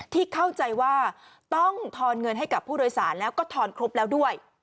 เข้าใจว่าต้องทอนเงินให้กับผู้โดยสารแล้วก็ทอนครบแล้วด้วย